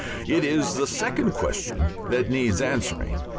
It is the second question that needs answering.